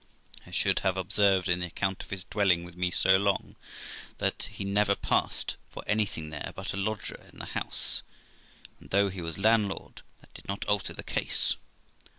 I should have observed, in the account of his dwelling with me so long at , that he never passed for anything there but a lodger in the house; and though he was landlord, that did not alter the case.